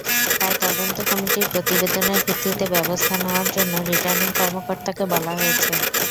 তাই তদন্ত কমিটির প্রতিবেদনের ভিত্তিতে ব্যবস্থা নেওয়ার জন্য রিটার্নিং কর্মকর্তাকে বলা হয়েছে।